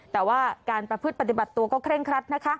แต่ว่าการประพฤติปฏิบัติตัวก็เคร่งครัดนะคะ